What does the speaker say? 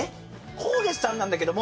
宏月さんなんだけども。